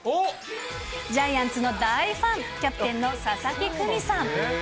ジャイアンツの大ファン、キャプテンの佐々木久美さん。